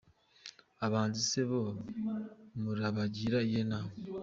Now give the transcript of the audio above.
Abahanzi se bo murabagira iyihe nama?.